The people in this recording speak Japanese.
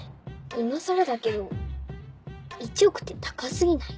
今更だけど１億って高過ぎない？